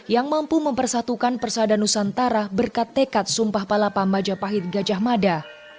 yang mampu mempersatukan persada nusantara berkat tekat sumpah palapa majapahit gajah mada